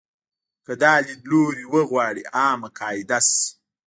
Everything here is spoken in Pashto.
که دا لیدلوری وغواړي عامه قاعده شي.